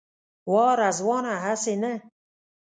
وا رضوانه هسې نه.